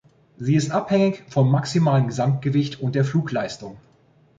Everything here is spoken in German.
Sie ist abhängig vom maximalen Gesamtgewicht und der Flugleistung.